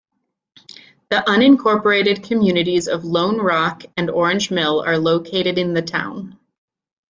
The unincorporated communities of Lone Rock and Orange Mill are located in the town.